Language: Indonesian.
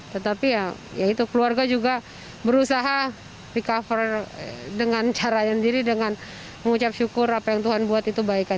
tetapi ya itu keluarga juga berusaha recover dengan caranya sendiri dengan mengucap syukur apa yang tuhan buat itu baik aja